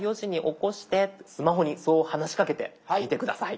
スマホにそう話しかけてみて下さい。